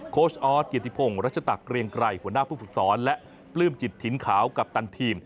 โค้ชออสเกียรติพงศ์รัชตะเกรียงไกรหัวหน้าผู้ฝึกสอนและปลื้มจิตถิ่นขาวกัปตันทีม